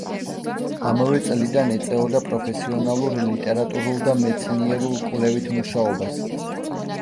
ამავე წლიდან ეწეოდა პროფესიონალურ ლიტერატურულ და მეცნიერულ კვლევით მუშაობას.